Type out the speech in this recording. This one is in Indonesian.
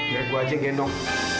biar gue aja gendong